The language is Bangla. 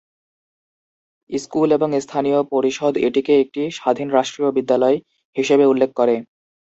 স্কুল এবং স্থানীয় পরিষদ এটিকে একটি স্বাধীন রাষ্ট্রীয় বিদ্যালয় হিসেবে উল্লেখ করে।